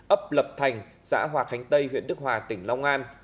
ấp lập thành xã hòa khánh tây huyện đức hòa tỉnh long an